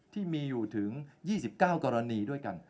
ที่มีอยู่ถึง๒๙กรณีด้วยกัน